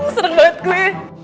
seru banget gue